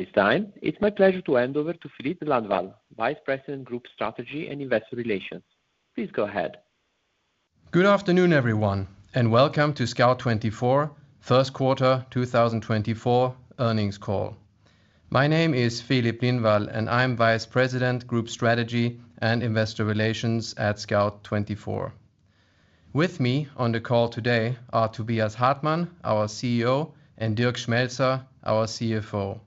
At this time, it's my pleasure to hand over to Filip Lindvall, Vice President, Group Strategy and Investor Relations. Please go ahead. Good afternoon, everyone, and welcome to Scout24 first quarter 2024 earnings call. My name is Filip Lindvall, and I'm Vice President, Group Strategy and Investor Relations at Scout24. With me on the call today are Tobias Hartmann, our CEO, and Dirk Schmelzer, our CFO.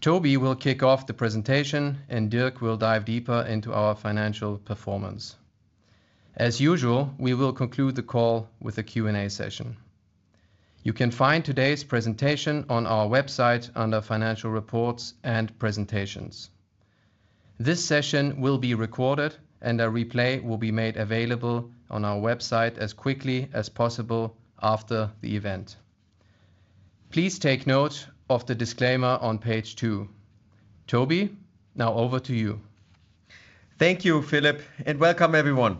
Toby will kick off the presentation and Dirk will dive deeper into our financial performance. As usual, we will conclude the call with a Q&A session. You can find today's presentation on our website under Financial Reports and Presentations. This session will be recorded and a replay will be made available on our website as quickly as possible after the event. Please take note of the disclaimer on page two. Toby, now over to you. Thank you, Filip, and welcome everyone.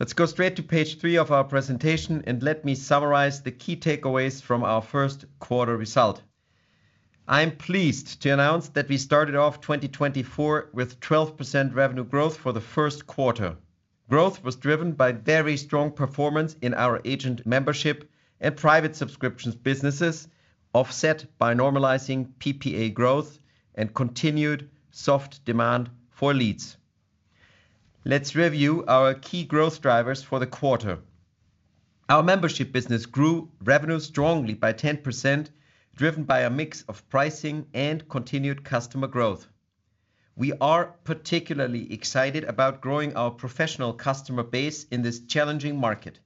Let's go straight to page three of our presentation and let me summarize the key takeaways from our first quarter result. I'm pleased to announce that we started off 2024 with 12% revenue growth for the first quarter. Growth was driven by very strong performance in our agent membership and private subscriptions businesses, offset by normalizing PPA growth and continued soft demand for leads. Let's review our key growth drivers for the quarter. Our membership business grew revenue strongly by 10%, driven by a mix of pricing and continued customer growth. We are particularly excited about growing our professional customer base in this challenging market.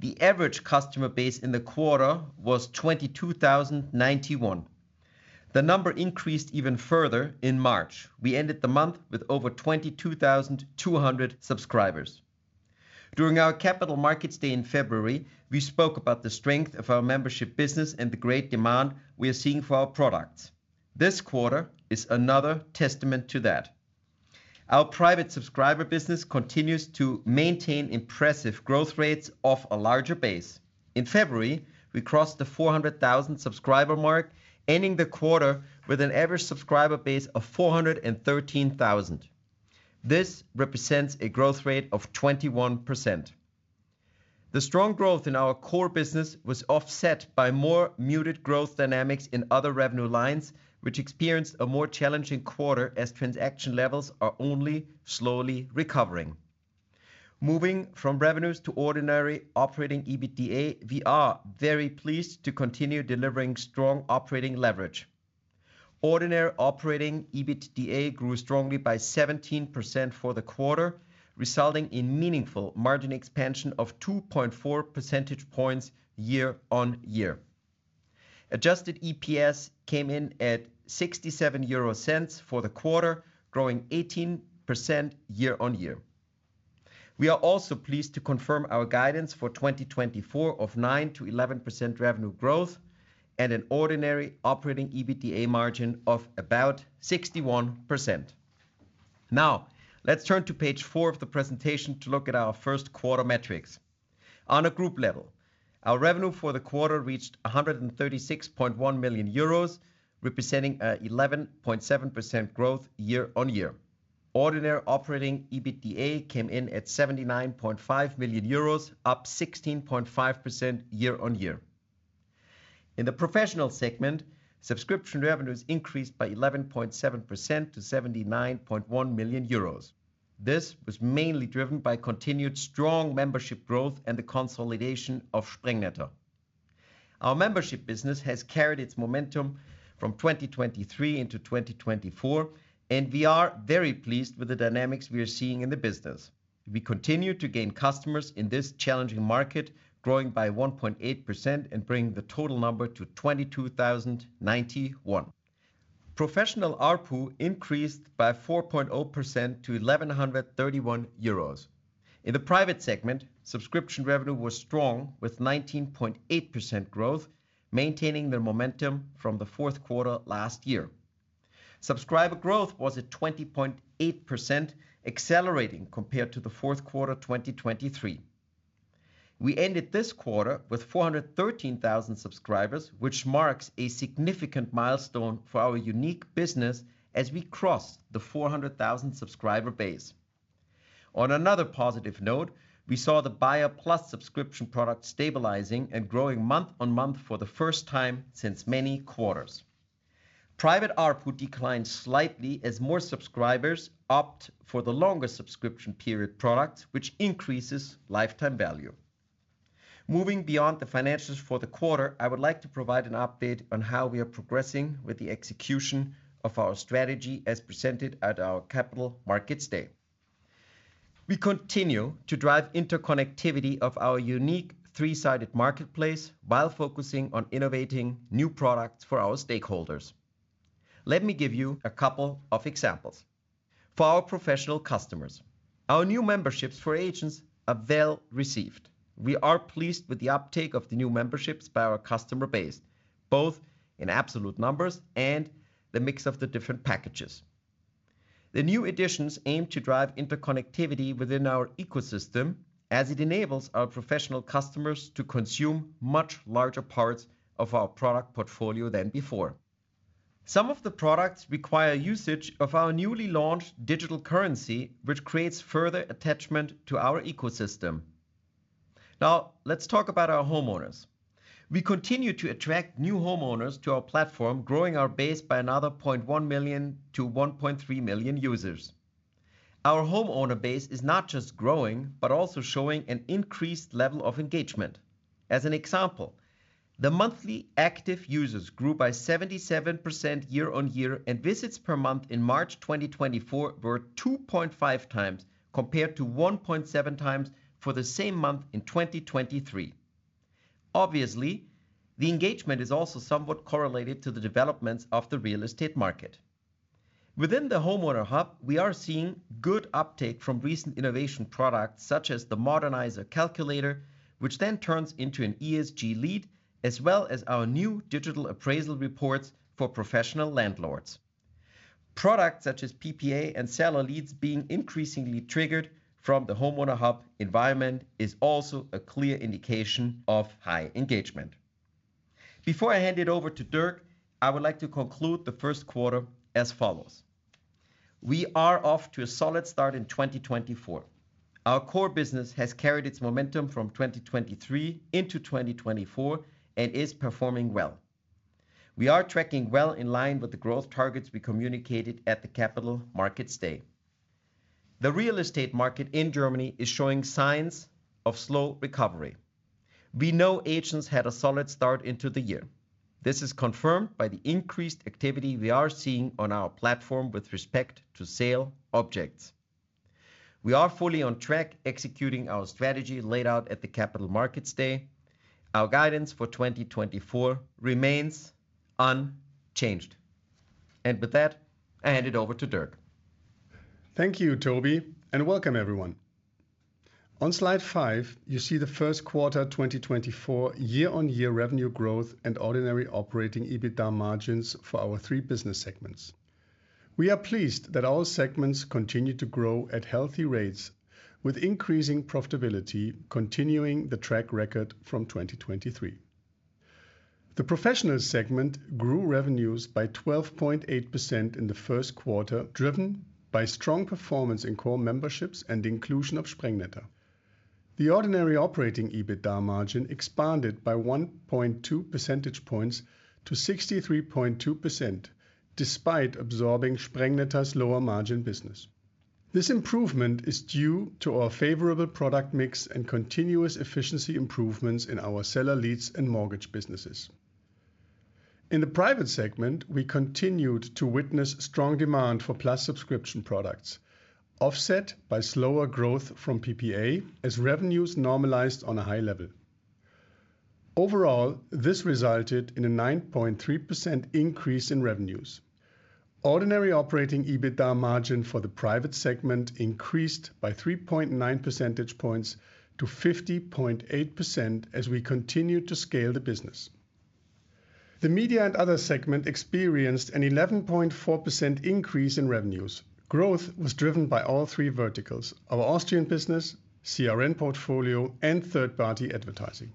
The average customer base in the quarter was 22,091. The number increased even further in March. We ended the month with over 22,200 subscribers. During our Capital Markets Day in February, we spoke about the strength of our membership business and the great demand we are seeing for our products. This quarter is another testament to that. Our private subscriber business continues to maintain impressive growth rates off a larger base. In February, we crossed the 400,000 subscriber mark, ending the quarter with an average subscriber base of 413,000. This represents a growth rate of 21%. The strong growth in our core business was offset by more muted growth dynamics in other revenue lines, which experienced a more challenging quarter as transaction levels are only slowly recovering. Moving from revenues to ordinary operating EBITDA, we are very pleased to continue delivering strong operating leverage. Ordinary operating EBITDA grew strongly by 17% for the quarter, resulting in meaningful margin expansion of 2.4 percentage points year-on-year. Adjusted EPS came in at 0.67 for the quarter, growing 18% year-on-year. We are also pleased to confirm our guidance for 2024 of 9%-11% revenue growth and an ordinary operating EBITDA margin of about 61%. Now, let's turn to page four of the presentation to look at our first quarter metrics. On a group level, our revenue for the quarter reached 136.1 million euros, representing an 11.7% growth year-on-year. Ordinary operating EBITDA came in at 79.5 million euros, up 16.5% year-on-year. In the professional segment, subscription revenues increased by 11.7% to 79.1 million euros. This was mainly driven by continued strong membership growth and the consolidation of Sprengnetter. Our membership business has carried its momentum from 2023 into 2024, and we are very pleased with the dynamics we are seeing in the business. We continue to gain customers in this challenging market, growing by 1.8% and bringing the total number to 22,091. Professional ARPU increased by 4.0% to 1,131 euros. In the private segment, subscription revenue was strong, with 19.8% growth, maintaining the momentum from the fourth quarter last year. Subscriber growth was at 20.8%, accelerating compared to the fourth quarter, 2023. We ended this quarter with 413,000 subscribers, which marks a significant milestone for our unique business as we cross the 400,000 subscriber base. On another positive note, we saw the BuyerPlus subscription product stabilizing and growing month-on-month for the first time since many quarters. Private ARPU declined slightly as more subscribers opt for the longer subscription period products, which increases lifetime value. Moving beyond the financials for the quarter, I would like to provide an update on how we are progressing with the execution of our strategy as presented at our Capital Markets Day. We continue to drive interconnectivity of our unique three-sided marketplace while focusing on innovating new products for our stakeholders. Let me give you a couple of examples. For our professional customers, our new memberships for agents are well received. We are pleased with the uptake of the new memberships by our customer base, both in absolute numbers and the mix of the different packages. The new additions aim to drive interconnectivity within our ecosystem, as it enables our professional customers to consume much larger parts of our product portfolio than before. Some of the products require usage of our newly launched digital currency, which creates further attachment to our ecosystem. Now, let's talk about our homeowners. We continue to attract new homeowners to our platform, growing our base by another 0.1 million-1.3 million users. Our homeowner base is not just growing, but also showing an increased level of engagement. As an example, the monthly active users grew by 77% year-on-year, and visits per month in March 2024 were 2.5 times, compared to 1.7 times for the same month in 2023. Obviously, the engagement is also somewhat correlated to the developments of the real estate market. Within the Homeowner Hub, we are seeing good uptake from recent innovation products, such as the Modernizer calculator, which then turns into an ESG lead, as well as our new digital appraisal reports for professional landlords. Products such as PPA and seller leads being increasingly triggered from the Homeowner Hub environment is also a clear indication of high engagement. Before I hand it over to Dirk, I would like to conclude the first quarter as follows: We are off to a solid start in 2024. Our core business has carried its momentum from 2023 into 2024 and is performing well. We are tracking well in line with the growth targets we communicated at the Capital Markets Day. The real estate market in Germany is showing signs of slow recovery. We know agents had a solid start into the year. This is confirmed by the increased activity we are seeing on our platform with respect to sale objects. We are fully on track, executing our strategy laid out at the Capital Markets Day. Our guidance for 2024 remains unchanged. With that, I hand it over to Dirk. Thank you, Toby, and welcome everyone. On slide five, you see the first quarter 2024 year-on-year revenue growth and ordinary operating EBITDA margins for our three business segments. We are pleased that all segments continue to grow at healthy rates, with increasing profitability continuing the track record from 2023. The professional segment grew revenues by 12.8% in the first quarter, driven by strong performance in core memberships and inclusion of Sprengnetter. The ordinary operating EBITDA margin expanded by 1.2 percentage points to 63.2%, despite absorbing Sprengnetter's lower margin business. This improvement is due to our favorable product mix and continuous efficiency improvements in our seller leads and mortgage businesses. In the private segment, we continued to witness strong demand for Plus subscription products, offset by slower growth from PPA as revenues normalized on a high level. Overall, this resulted in a 9.3% increase in revenues. Ordinary operating EBITDA margin for the private segment increased by 3.9 percentage points to 50.8% as we continued to scale the business. The media and other segment experienced an 11.4% increase in revenues. Growth was driven by all three verticals: our Austrian business, CRM portfolio, and third-party advertising.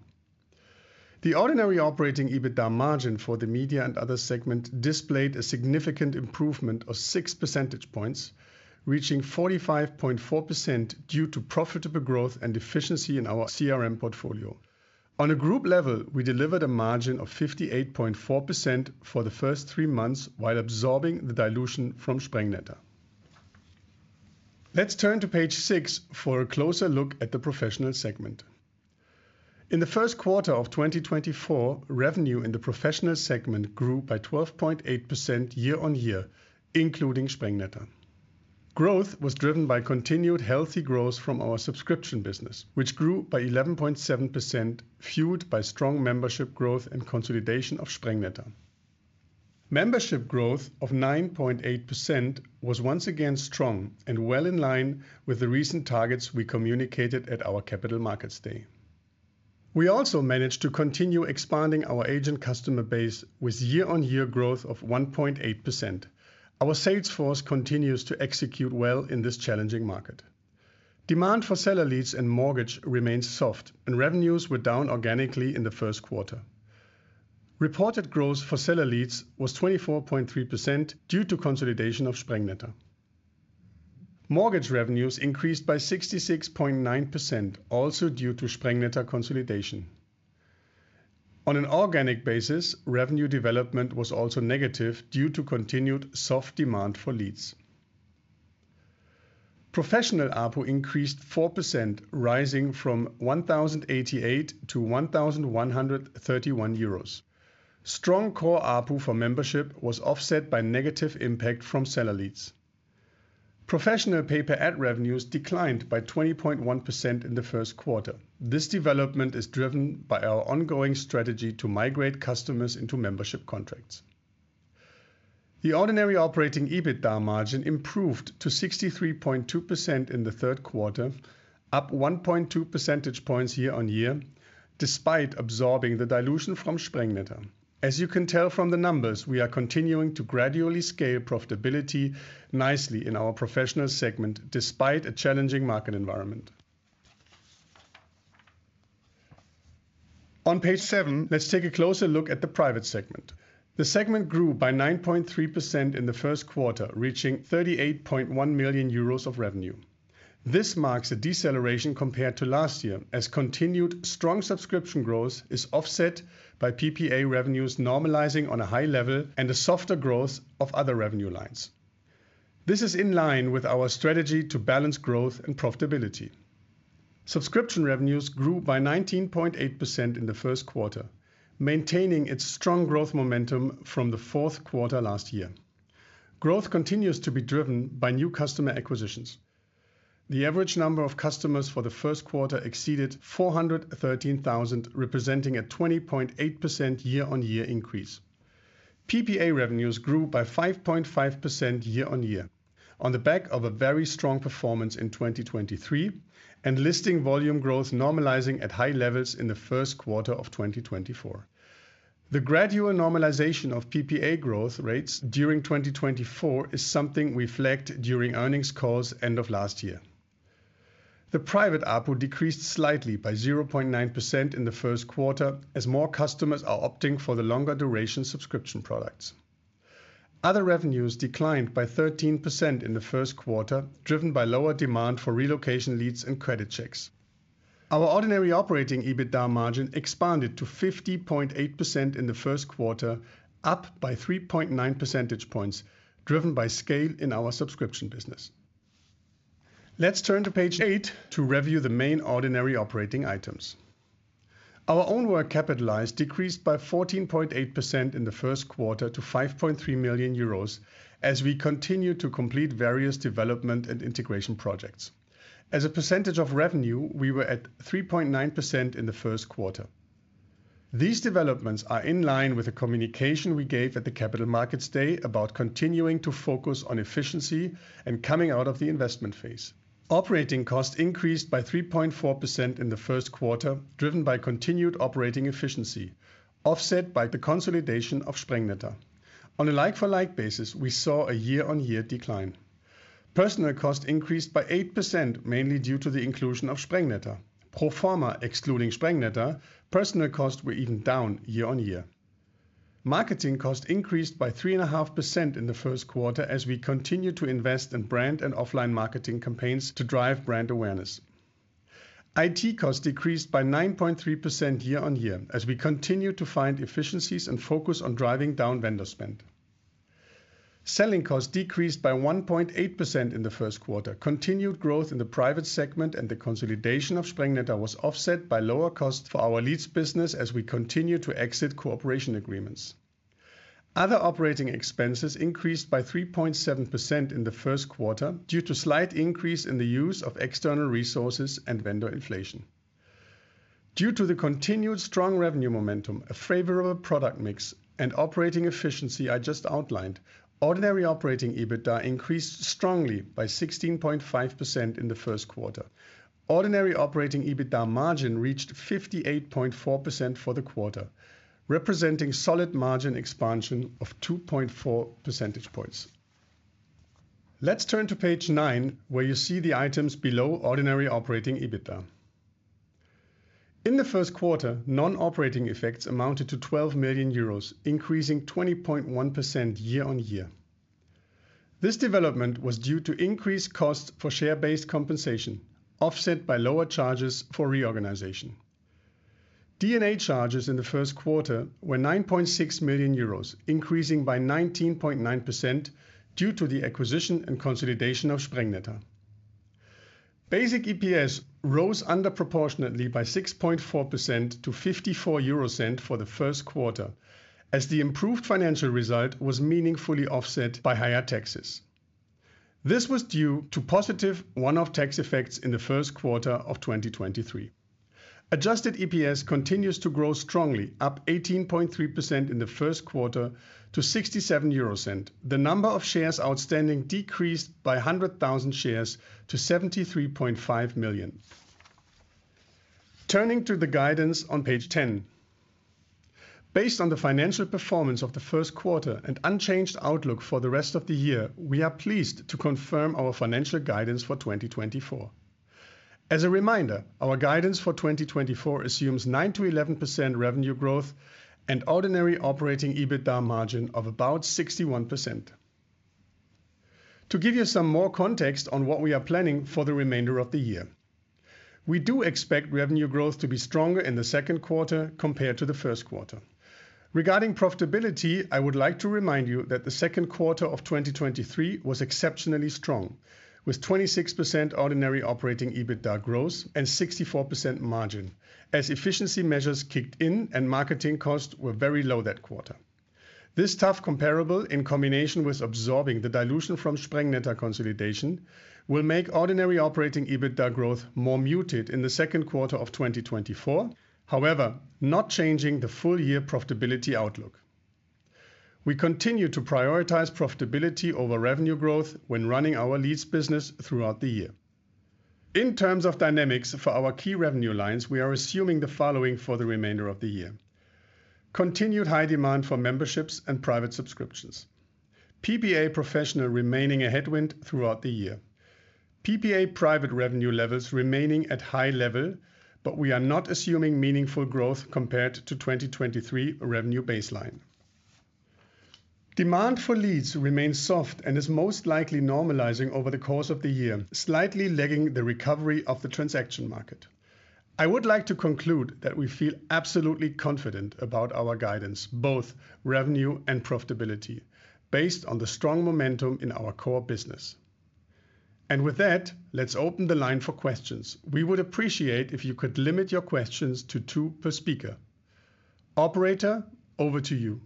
The ordinary operating EBITDA margin for the media and other segment displayed a significant improvement of 6 percentage points, reaching 45.4%, due to profitable growth and efficiency in our CRM portfolio. On a group level, we delivered a margin of 58.4% for the first three months, while absorbing the dilution from Sprengnetter. Let's turn to page six for a closer look at the professional segment. In the first quarter of 2024, revenue in the professional segment grew by 12.8% year-on-year, including Sprengnetter. Growth was driven by continued healthy growth from our subscription business, which grew by 11.7%, fueled by strong membership growth and consolidation of Sprengnetter. Membership growth of 9.8% was once again strong and well in line with the recent targets we communicated at our Capital Markets Day. We also managed to continue expanding our agent customer base with year-on-year growth of 1.8%. Our sales force continues to execute well in this challenging market. Demand for seller leads and mortgage remains soft, and revenues were down organically in the first quarter. Reported growth for seller leads was 24.3% due to consolidation of Sprengnetter. Mortgage revenues increased by 66.9%, also due to Sprengnetter consolidation. On an organic basis, revenue development was also negative due to continued soft demand for leads. Professional ARPU increased 4%, rising from 1,088-1,131 euros. Strong core ARPU for membership was offset by negative impact from seller leads. Professional pay-per-ad revenues declined by 20.1% in the first quarter. This development is driven by our ongoing strategy to migrate customers into membership contracts. The ordinary operating EBITDA margin improved to 63.2% in the third quarter, up 1.2 percentage points year-on-year, despite absorbing the dilution from Sprengnetter. As you can tell from the numbers, we are continuing to gradually scale profitability nicely in our professional segment, despite a challenging market environment. On page seven, let's take a closer look at the private segment. The segment grew by 9.3% in the first quarter, reaching 38.1 million euros of revenue. This marks a deceleration compared to last year, as continued strong subscription growth is offset by PPA revenues normalizing on a high level and a softer growth of other revenue lines. This is in line with our strategy to balance growth and profitability. Subscription revenues grew by 19.8% in the first quarter, maintaining its strong growth momentum from the fourth quarter last year. Growth continues to be driven by new customer acquisitions. The average number of customers for the first quarter exceeded 413,000, representing a 20.8% year-on-year increase. PPA revenues grew by 5.5% year-on-year, on the back of a very strong performance in 2023, and listing volume growth normalizing at high levels in the first quarter of 2024. The gradual normalization of PPA growth rates during 2024 is something we flagged during earnings calls end of last year. The private ARPU decreased slightly by 0.9% in the first quarter, as more customers are opting for the longer duration subscription products. Other revenues declined by 13% in the first quarter, driven by lower demand for relocation leads and credit checks. Our ordinary operating EBITDA margin expanded to 50.8% in the first quarter, up by 3.9 percentage points, driven by scale in our subscription business. Let's turn to page eight to review the main ordinary operating items. Our own work capitalized decreased by 14.8% in the first quarter to 5.3 million euros, as we continue to complete various development and integration projects. As a percentage of revenue, we were at 3.9% in the first quarter. These developments are in line with the communication we gave at the Capital Markets Day about continuing to focus on efficiency and coming out of the investment phase. Operating costs increased by 3.4% in the first quarter, driven by continued operating efficiency, offset by the consolidation of Sprengnetter. On a like-for-like basis, we saw a year-on-year decline. Personnel costs increased by 8%, mainly due to the inclusion of Sprengnetter. Pro forma, excluding Sprengnetter, personnel costs were even down year-on-year. Marketing costs increased by 3.5% in the first quarter, as we continue to invest in brand and offline marketing campaigns to drive brand awareness. IT costs decreased by 9.3% year-on-year, as we continue to find efficiencies and focus on driving down vendor spend. Selling costs decreased by 1.8% in the first quarter. Continued growth in the private segment and the consolidation of Sprengnetter was offset by lower costs for our leads business as we continue to exit cooperation agreements. Other operating expenses increased by 3.7% in the first quarter due to slight increase in the use of external resources and vendor inflation. Due to the continued strong revenue momentum, a favorable product mix and operating efficiency I just outlined, ordinary operating EBITDA increased strongly by 16.5% in the first quarter. Ordinary operating EBITDA margin reached 58.4% for the quarter, representing solid margin expansion of 2.4 percentage points. Let's turn to page nine, where you see the items below ordinary operating EBITDA. In the first quarter, non-operating effects amounted to 12 million euros, increasing 20.1% year-on-year. This development was due to increased costs for share-based compensation, offset by lower charges for reorganization. D&A charges in the first quarter were 9.6 million euros, increasing by 19.9% due to the acquisition and consolidation of Sprengnetter. Basic EPS rose disproportionately by 6.4% to 0.54 for the first quarter, as the improved financial result was meaningfully offset by higher taxes. This was due to positive one-off tax effects in the first quarter of 2023. Adjusted EPS continues to grow strongly, up 18.3% in the first quarter to 0.67. The number of shares outstanding decreased by 100,000 shares to 73.5 million. Turning to the guidance on page 10. Based on the financial performance of the first quarter and unchanged outlook for the rest of the year, we are pleased to confirm our financial guidance for 2024. As a reminder, our guidance for 2024 assumes 9%-11% revenue growth and ordinary operating EBITDA margin of about 61%. To give you some more context on what we are planning for the remainder of the year, we do expect revenue growth to be stronger in the second quarter compared to the first quarter. Regarding profitability, I would like to remind you that the second quarter of 2023 was exceptionally strong, with 26% ordinary operating EBITDA growth and 64% margin, as efficiency measures kicked in and marketing costs were very low that quarter. This tough comparable, in combination with absorbing the dilution from Sprengnetter consolidation, will make ordinary operating EBITDA growth more muted in the second quarter of 2024, however, not changing the full year profitability outlook. We continue to prioritize profitability over revenue growth when running our leads business throughout the year. In terms of dynamics for our key revenue lines, we are assuming the following for the remainder of the year: Continued high demand for memberships and private subscriptions. PPA Professional remaining a headwind throughout the year. PPA Private revenue levels remaining at high level, but we are not assuming meaningful growth compared to 2023 revenue baseline. Demand for leads remains soft and is most likely normalizing over the course of the year, slightly lagging the recovery of the transaction market. I would like to conclude that we feel absolutely confident about our guidance, both revenue and profitability, based on the strong momentum in our core business. And with that, let's open the line for questions. We would appreciate if you could limit your questions to two per speaker. Operator, over to you.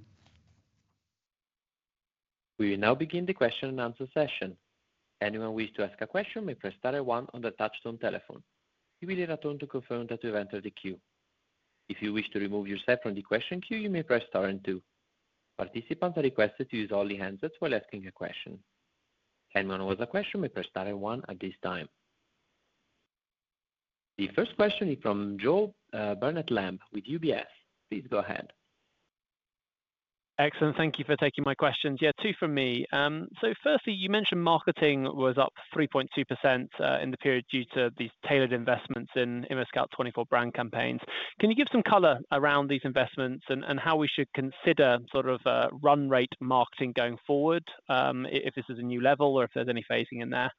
We will now begin the question and answer session. Anyone wish to ask a question may press star one on the touchtone telephone. You will hear a tone to confirm that you have entered the queue. If you wish to remove yourself from the question queue, you may press star and two. Participants are requested to use only handsets while asking a question. Anyone with a question may press star and one at this time. The first question is from Joe Barnet-Lamb with UBS. Please go ahead. Excellent. Thank you for taking my questions. Yeah, two from me. So firstly, you mentioned marketing was up 3.2%, in the period due to these tailored investments in ImmoScout24 brand campaigns. Can you give some color around these investments and, and how we should consider sort of, run rate marketing going forward, if, if this is a new level or if there's any phasing in there?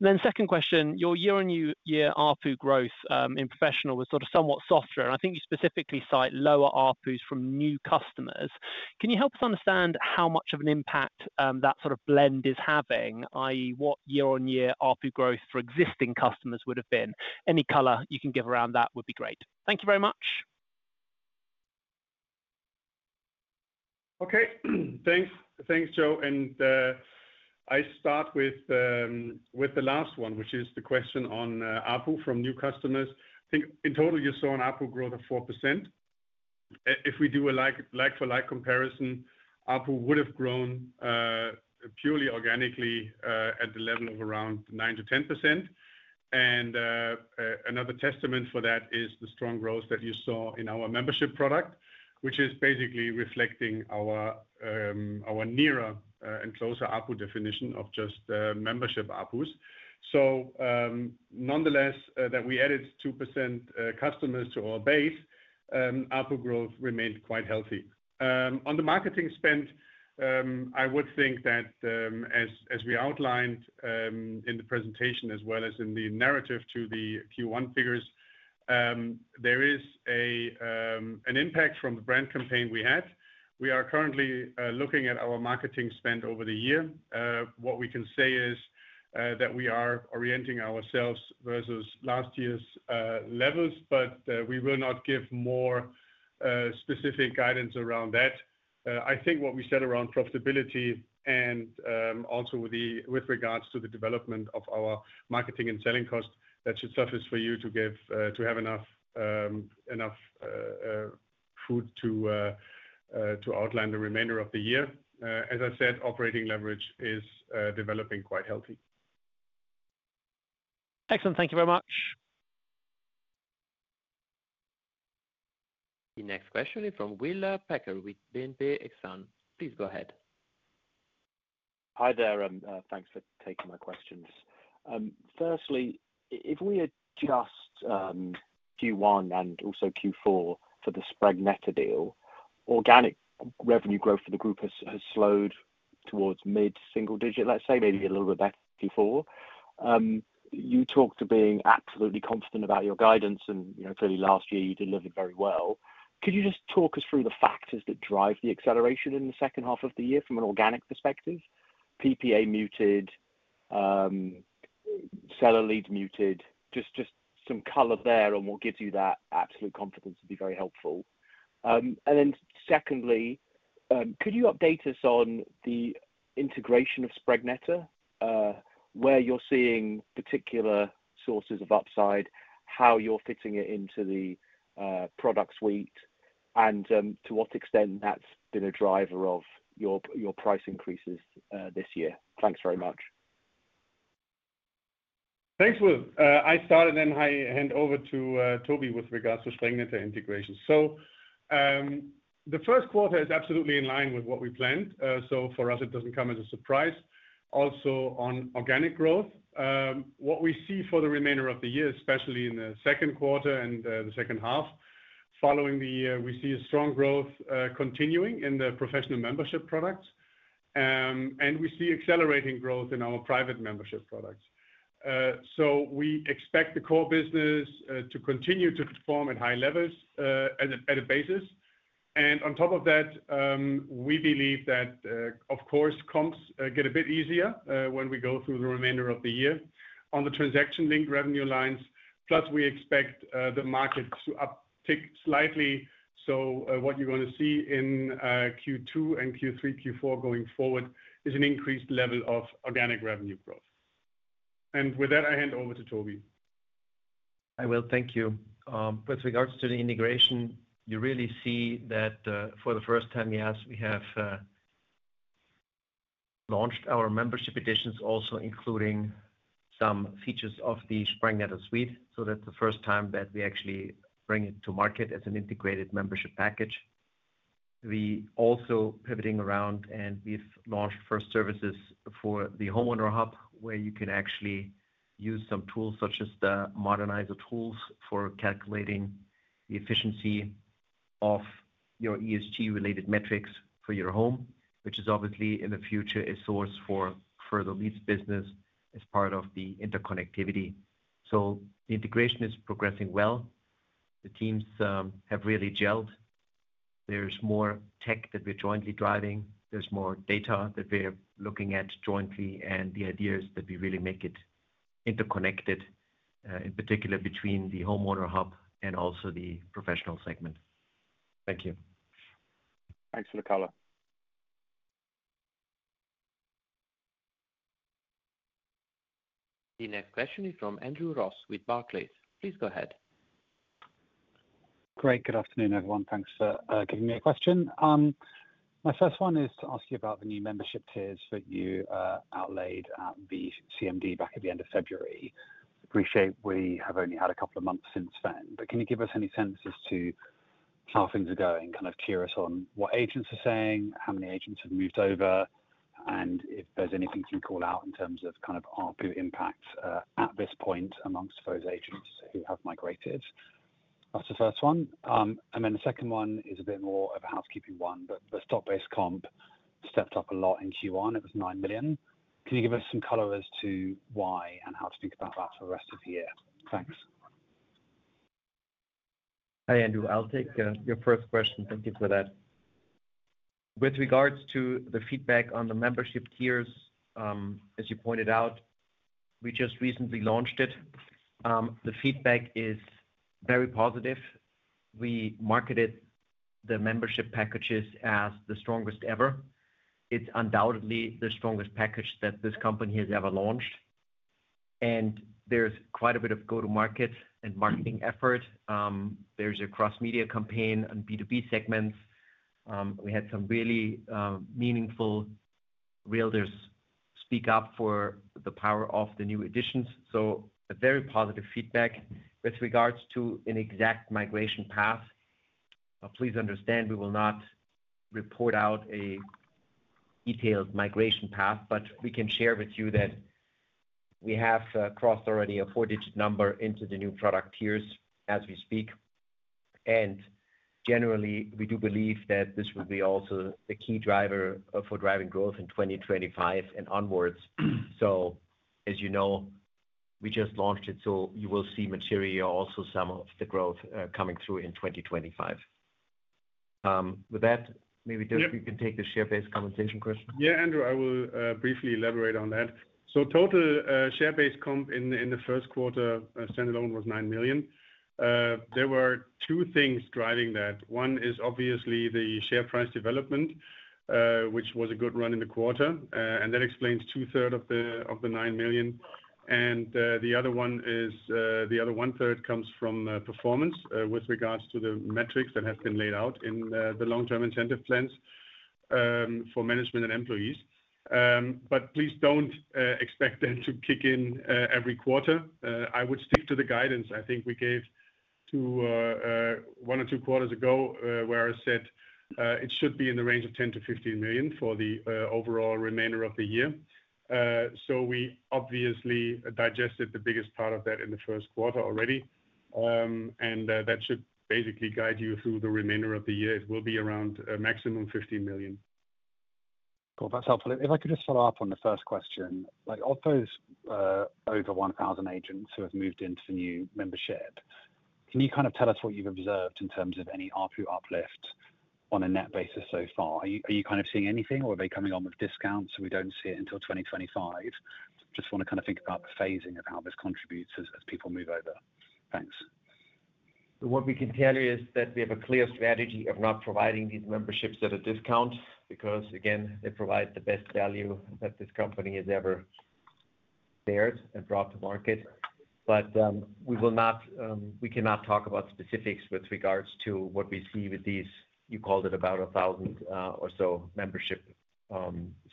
And then second question, your year-on-year ARPU growth, in professional was sort of somewhat softer, and I think you specifically cite lower ARPUs from new customers. Can you help us understand how much of an impact, that sort of blend is having? I.e., what year-on-year ARPU growth for existing customers would have been. Any color you can give around that would be great. Thank you very much. Okay. Thanks. Thanks, Joe. And, I start with with the last one, which is the question on ARPU from new customers. I think in total, you saw an ARPU growth of 4%. If we do a like, like-for-like comparison, ARPU would have grown purely organically at the level of around 9%-10%. And, another testament for that is the strong growth that you saw in our membership product, which is basically reflecting our our nearer and closer ARPU definition of just membership ARPUs. So, nonetheless, that we added 2% customers to our base ARPU growth remained quite healthy. On the marketing spend, I would think that, as we outlined in the presentation as well as in the narrative to the Q1 figures, there is an impact from the brand campaign we had. We are currently looking at our marketing spend over the year. What we can say is that we are orienting ourselves versus last year's levels, but we will not give more specific guidance around that. I think what we said around profitability and also with regards to the development of our marketing and selling costs, that should suffice for you to have enough food to outline the remainder of the year. As I said, operating leverage is developing quite healthy. Excellent. Thank you very much. The next question is from Will Packer with BNP Paribas Exane. Please go ahead. Hi there, thanks for taking my questions. Firstly, if we adjust Q1 and also Q4 for the Sprengnetter deal, organic revenue growth for the group has slowed towards mid-single digit, let's say maybe a little bit better before. You talked to being absolutely confident about your guidance and, you know, clearly last year you delivered very well. Could you just talk us through the factors that drive the acceleration in the second half of the year from an organic perspective? PPA muted, seller leads muted. Just some color there on what gives you that absolute confidence would be very helpful. And then secondly, could you update us on the integration of Sprengnetter, where you're seeing particular sources of upside, how you're fitting it into the product suite, and to what extent that's been a driver of your price increases this year? Thanks very much. Thanks, Will. I'll start and then I hand over to Toby with regards to Sprengnetter integration. So, the first quarter is absolutely in line with what we planned. So for us, it doesn't come as a surprise. Also, on organic growth, what we see for the remainder of the year, especially in the second quarter and the second half, following the year, we see a strong growth continuing in the professional membership products. And we see accelerating growth in our private membership products. So we expect the core business to continue to perform at high levels, at a basis. On top of that, we believe that, of course, comps get a bit easier when we go through the remainder of the year on the transaction link revenue lines. Plus, we expect the market to uptick slightly. So, what you're gonna see in Q2 and Q3, Q4 going forward, is an increased level of organic revenue growth. And with that, I hand over to Toby. I will. Thank you. With regards to the integration, you really see that, for the first time, yes, we have launched our membership editions, also including some features of the Sprengnetter. So that's the first time that we actually bring it to market as an integrated membership package. We also pivoting around, and we've launched first services for the Homeowner Hub, where you can actually use some tools, such as the Modernizer tools, for calculating the efficiency of your ESG-related metrics for your home. Which is obviously, in the future, a source for, for the lease business as part of the interconnectivity. So the integration is progressing well. The teams have really gelled. There's more tech that we're jointly driving, there's more data that we're looking at jointly, and the ideas that we really make it interconnected in particular between the Homeowner Hub and also the professional segment. Thank you. Thanks for the color. The next question is from Andrew Ross with Barclays. Please go ahead. Great. Good afternoon, everyone. Thanks for giving me a question. My first one is to ask you about the new membership tiers that you outlined at the CMD back at the end of February. Appreciate we have only had a couple of months since then, but can you give us any sense as to how things are going? Kind of give us on what agents are saying, how many agents have moved over, and if there's anything you can call out in terms of kind of ARPU impact at this point amongst those agents who have migrated. That's the first one. And then the second one is a bit more of a housekeeping one, but the stock-based comp stepped up a lot in Q1. It was 9 million. Can you give us some color as to why and how to think about that for the rest of the year? Thanks. Hi, Andrew. I'll take your first question. Thank you for that. With regards to the feedback on the membership tiers, as you pointed out, we just recently launched it. The feedback is very positive. We marketed the membership packages as the strongest ever. It's undoubtedly the strongest package that this company has ever launched, and there's quite a bit of go-to-market and marketing effort. There's a cross-media campaign on B2B segments. We had some really meaningful realtors speak up for the power of the new additions, so a very positive feedback. With regards to an exact migration path, please understand, we will not report out a detailed migration path, but we can share with you that we have crossed already a four-digit number into the new product tiers as we speak. Generally, we do believe that this will be also a key driver for driving growth in 2025 and onwards. As you know, we just launched it, so you will see material, also some of the growth, coming through in 2025. With that, maybe, Dirk? Yeah You can take the share-based compensation question. Yeah, Andrew, I will briefly elaborate on that. So total share-based comp in the first quarter standalone was 9 million. There were two things driving that. One is obviously the share price development, which was a good run in the quarter. And that explains two-thirds of the 9 million. And the other one is the other one-third comes from performance with regards to the metrics that have been laid out in the long-term incentive plans for management and employees. But please don't expect them to kick in every quarter. I would stick to the guidance I think we gave one or two quarters ago, where I said it should be in the range of 10 million- 15 million for the overall remainder of the year. We obviously digested the biggest part of that in the first quarter already. That should basically guide you through the remainder of the year. It will be around a maximum 50 million. Cool, that's helpful. If I could just follow up on the first question. Like, of those, over 1,000 agents who have moved into the new membership, can you kind of tell us what you've observed in terms of any ARPU uplift on a net basis so far? Are you kind of seeing anything or are they coming on with discounts, and we don't see it until 2025? Just wanna kind of think about the phasing of how this contributes as people move over. Thanks. What we can tell you is that we have a clear strategy of not providing these memberships at a discount, because, again, it provides the best value that this company has ever dared and brought to market. But, we will not we cannot talk about specifics with regards to what we see with these, you called it about 1,000, or so membership.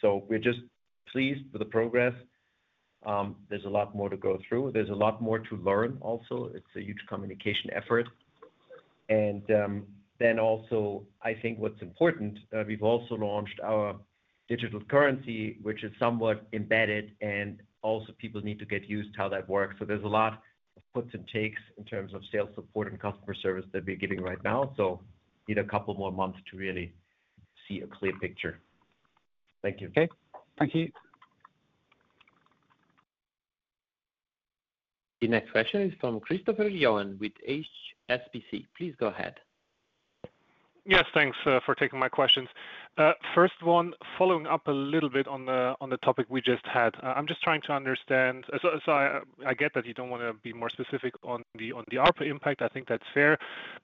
So we're just pleased with the progress. There's a lot more to go through. There's a lot more to learn, also. It's a huge communication effort. And, then also, I think what's important, we've also launched our digital currency, which is somewhat embedded, and also people need to get used to how that works. So there's a lot of puts and takes in terms of sales support and customer service that we're giving right now. So, need a couple more months to really see a clear picture. Thank you. Okay, thank you. The next question is from Christopher Johnen with HSBC. Please go ahead. Yes, thanks, for taking my questions. First one, following up a little bit on the topic we just had. I'm just trying to understand. So, I get that you don't wanna be more specific on the ARPU impact. I think that's fair.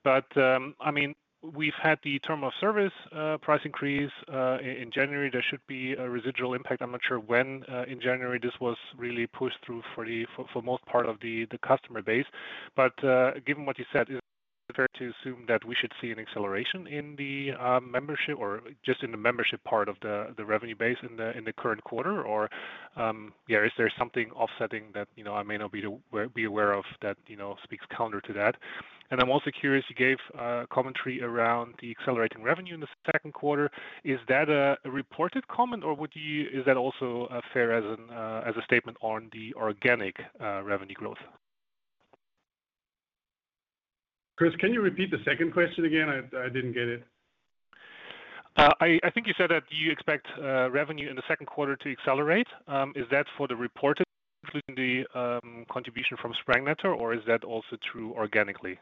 But, I mean, we've had the term of service price increase in January. There should be a residual impact. I'm not sure when in January this was really pushed through for most part of the customer base. But, given what you said, is it fair to assume that we should see an acceleration in the membership or just in the membership part of the revenue base in the current quarter? Or, yeah, is there something offsetting that, you know, I may not be aware of that, you know, speaks counter to that? And I'm also curious, you gave commentary around the accelerating revenue in the second quarter. Is that a reported comment, or would you, is that also fair as a statement on the organic revenue growth? Chris, can you repeat the second question again? I didn't get it. I think you said that you expect revenue in the second quarter to accelerate. Is that for the reported, including the contribution from Sprengnetter, or is that also true organically?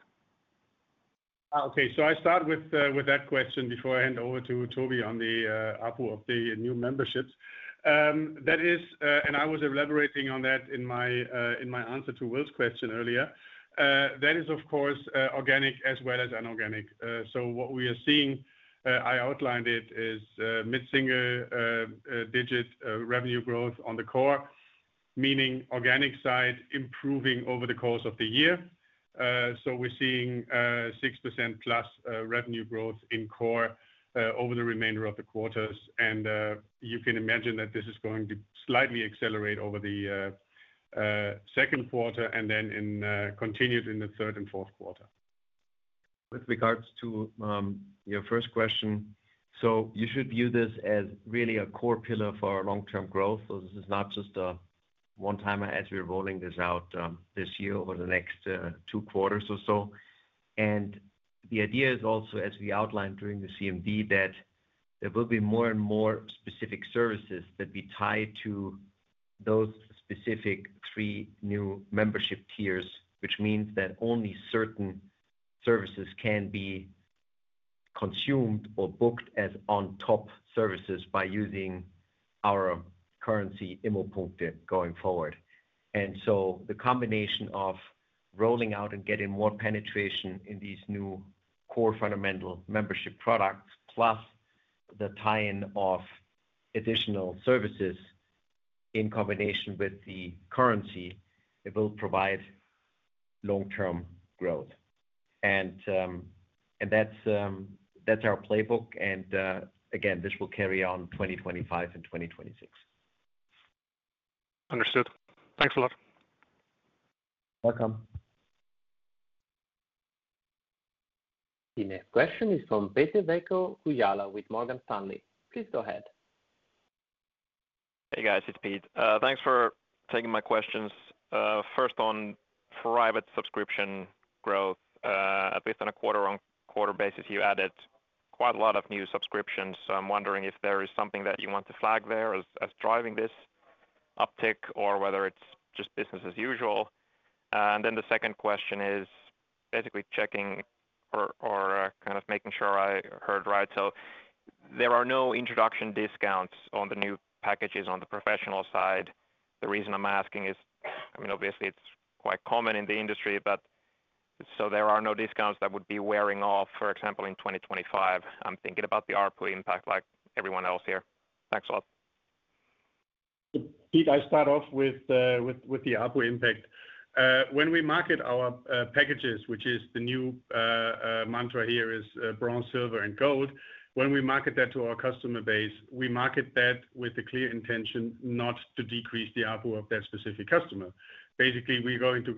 Okay. So I start with that question before I hand over to Tobi on the ARPU of the new memberships. That is, and I was elaborating on that in my answer to Will's question earlier. That is, of course, organic as well as inorganic. So what we are seeing, I outlined it, is mid-single digit revenue growth on the core, meaning organic side, improving over the course of the year. So we're seeing 6%+ revenue growth in core over the remainder of the quarters. And you can imagine that this is going to slightly accelerate over the second quarter and then continued in the third and fourth quarter. With regards to, your first question, so you should view this as really a core pillar for our long-term growth. So this is not just a one-timer as we're rolling this out, this year over the next, two quarters or so. And the idea is also, as we outlined during the CMD, that there will be more and more specific services that we tie to those specific three new membership tiers, which means that only certain services can be consumed or booked as on-top services by using our currency ImmoPunkte going forward. And so the combination of rolling out and getting more penetration in these new core fundamental membership products, plus the tie-in of additional services in combination with the currency, it will provide long-term growth. And that's our playbook, and, again, this will carry on 2025 and 2026. Understood. Thanks a lot. Welcome. The next question is from Pete-Veikko Kujala with Morgan Stanley. Please go ahead. Hey, guys, it's Pete. Thanks for taking my questions. First on private subscription growth, based on a quarter-on-quarter basis, you added quite a lot of new subscriptions. So I'm wondering if there is something that you want to flag there as driving this uptick or whether it's just business as usual. And then the second question is basically checking or kind of making sure I heard right. So there are no introduction discounts on the new packages on the professional side. The reason I'm asking is, I mean, obviously, it's quite common in the industry, but so there are no discounts that would be wearing off, for example, in 2025. I'm thinking about the ARPU impact like everyone else here. Thanks a lot. Pete, I start off with the ARPU impact. When we market our packages, which is the new mantra here is bronze, silver, and gold. When we market that to our customer base, we market that with the clear intention not to decrease the ARPU of that specific customer. Basically, we go into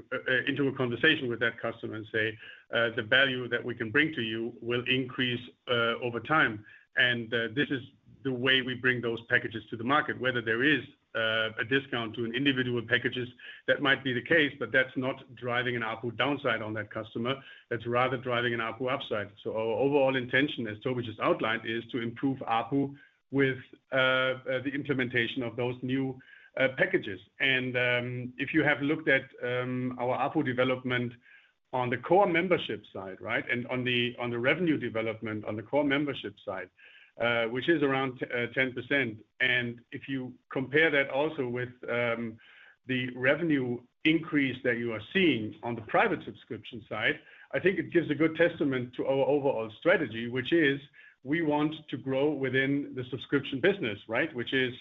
into a conversation with that customer and say, "The value that we can bring to you will increase over time." And this is the way we bring those packages to the market. Whether there is a discount to an individual packages, that might be the case, but that's not driving an ARPU downside on that customer. That's rather driving an ARPU upside. So our overall intention, as Toby just outlined, is to improve ARPU with the implementation of those new packages. If you have looked at our ARPU development on the core membership side, right? And on the revenue development on the core membership side, which is around 10%. And if you compare that also with the revenue increase that you are seeing on the private subscription side, I think it gives a good testament to our overall strategy, which is we want to grow within the subscription business, right? Which is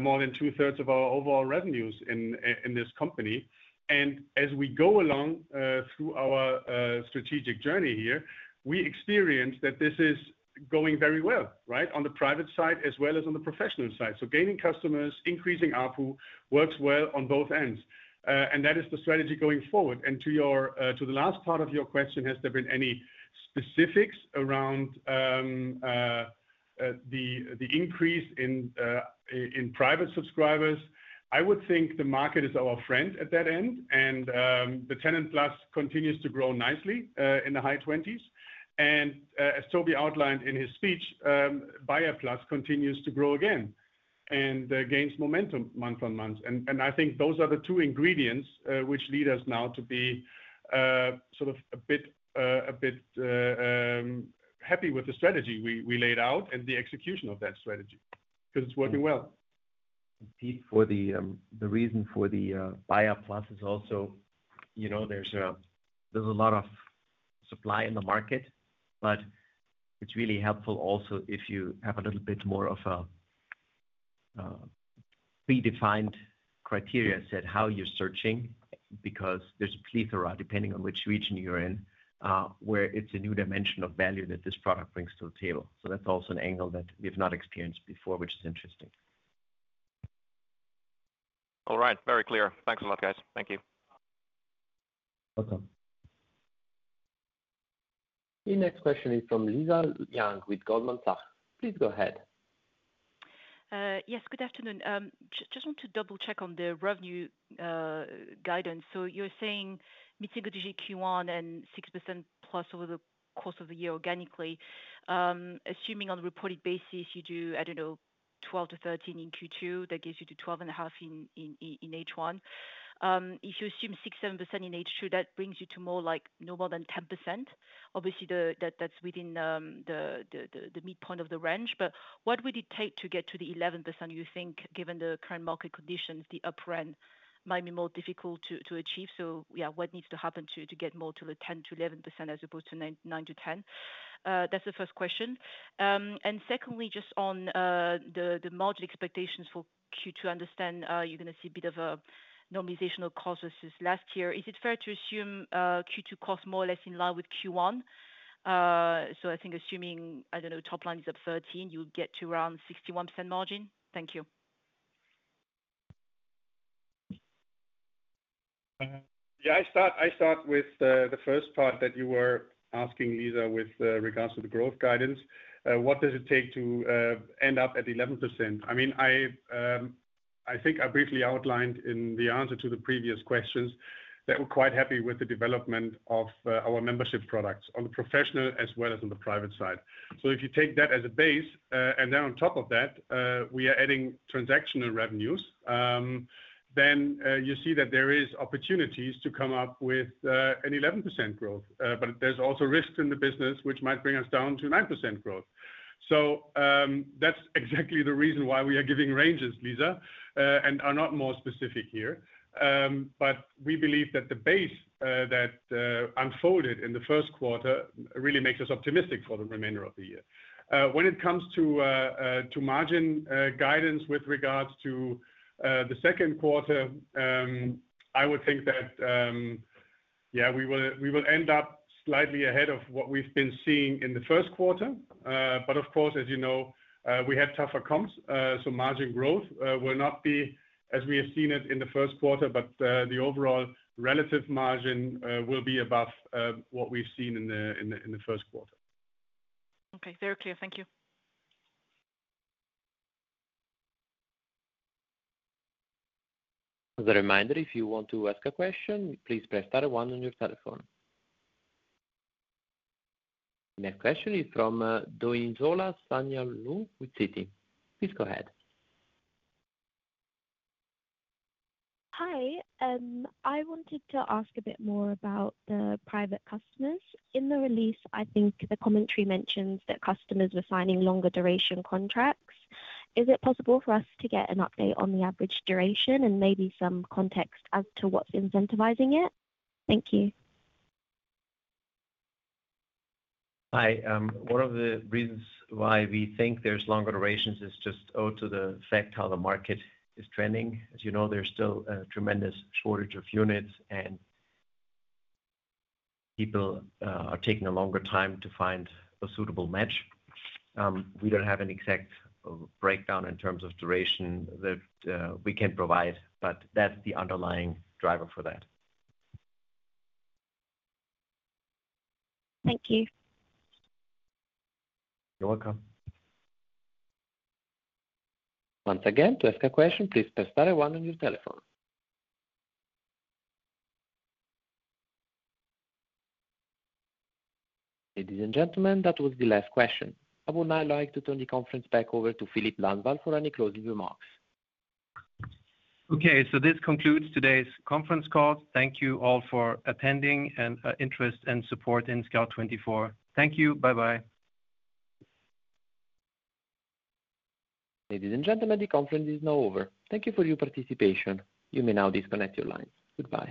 more than two-thirds of our overall revenues in this company. And as we go along through our strategic journey here, we experience that this is going very well, right, on the private side as well as on the professional side. So gaining customers, increasing ARPU, works well on both ends. And that is the strategy going forward. And to the last part of your question, has there been any specifics around the increase in private subscribers? I would think the market is our friend at that end, and the TenantPlus continues to grow nicely in the high 20s. And, as Toby outlined in his speech, BuyerPlus continues to grow again and gains momentum month-on-month. And I think those are the two ingredients which lead us now to be sort of a bit happy with the strategy we laid out and the execution of that strategy, because it's working well. Pete, for the reason for the BuyerPlus is also, you know, there's a lot of supply in the market, but it's really helpful also if you have a little bit more of a predefined criteria set how you're searching, because there's a plethora, depending on which region you're in, where it's a new dimension of value that this product brings to the table. So that's also an angle that we've not experienced before, which is interesting. All right. Very clear. Thanks a lot, guys. Thank you. Welcome. The next question is from Lisa Yang with Goldman Sachs. Please go ahead. Yes, good afternoon. Just want to double-check on the revenue guidance. So you're saying mid-single digit Q1 and 6%+ over the course of the year organically. Assuming on a reported basis, you do, I don't know, 12%-13% in Q2, that gives you to 12.5% in H1. If you assume 6%, 7% in H2, that brings you to more like no more than 10%. Obviously, that's within the midpoint of the range. But what would it take to get to the 11%, you think, given the current market conditions, the upfront might be more difficult to achieve? So yeah, what needs to happen to get more to the 10%-11% as opposed to 9%-10%? That's the first question. And secondly, just on the margin expectations for Q2, understand you're gonna see a bit of a normalization of costs versus last year. Is it fair to assume Q2 cost more or less in line with Q1? So I think assuming, I don't know, top line is up 13, you'll get to around 61% margin. Thank you. Uh... Yeah, I start with the first part that you were asking, Lisa, with regards to the growth guidance. What does it take to end up at 11%? I mean, I think I briefly outlined in the answer to the previous questions, that we're quite happy with the development of our membership products on the professional as well as on the private side. So if you take that as a base, and then on top of that, we are adding transactional revenues, then you see that there is opportunities to come up with an 11% growth. But there's also risks in the business, which might bring us down to 9% growth. So, that's exactly the reason why we are giving ranges, Lisa, and are not more specific here. But we believe that the base that unfolded in the first quarter really makes us optimistic for the remainder of the year. When it comes to margin guidance with regards to the second quarter, I would think that yeah, we will end up slightly ahead of what we've been seeing in the first quarter. But of course, as you know, we have tougher comps, so margin growth will not be as we have seen it in the first quarter, but the overall relative margin will be above what we've seen in the first quarter. Okay, very clear. Thank you. As a reminder, if you want to ask a question, please press star one on your telephone. Next question is from Doyinsola Sanyaolu with Citi. Please go ahead. Hi. I wanted to ask a bit more about the private customers. In the release, I think the commentary mentions that customers were signing longer duration contracts. Is it possible for us to get an update on the average duration and maybe some context as to what's incentivizing it? Thank you. Hi. One of the reasons why we think there's longer durations is just owed to the fact how the market is trending. As you know, there's still a tremendous shortage of units, and people are taking a longer time to find a suitable match. We don't have an exact breakdown in terms of duration that we can provide, but that's the underlying driver for that. Thank you. You're welcome. Once again, to ask a question, please press star one on your telephone. Ladies and gentlemen, that was the last question. I would now like to turn the conference back over to Filip Lindvall for any closing remarks. Okay, so this concludes today's conference call. Thank you all for attending and interest and support in Scout24. Thank you. Bye-bye. Ladies and gentlemen, the conference is now over. Thank you for your participation. You may now disconnect your lines. Goodbye.